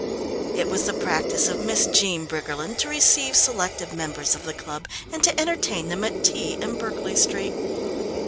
It was the practice of Miss Jean Briggerland to receive selected members of the club and to entertain them at tea in Berkeley Street.